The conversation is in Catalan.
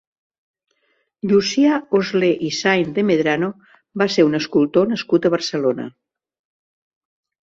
Llucià Oslé i Sáenz de Medrano va ser un escultor nascut a Barcelona.